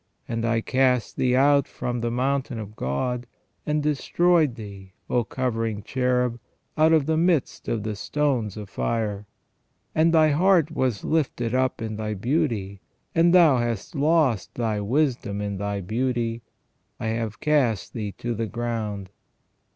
... And I cast thee out from the mountain of God, and destroyed thee, O covering cherub, out of the midst of the stones of fire. And thy heart was lifted up in thy beauty : and thou hast lost thy wisdom in thy beauty, I have cast thee to the ground."